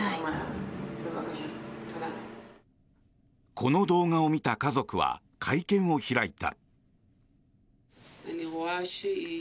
この動画を見た家族は会見を開いた。